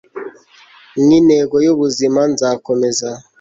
nk'intego y'ubuzima. nzakomeza